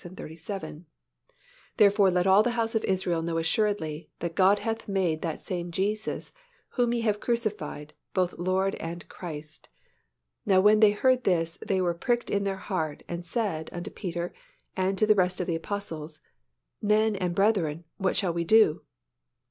36, 37, "Therefore let all the house of Israel know assuredly, that God hath made that same Jesus, whom ye have crucified, both Lord and Christ. Now when they heard this, they were pricked in their heart, and said unto Peter and to the rest of the apostles, Men and brethren, what shall we do?"